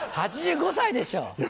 ８５歳でしょう！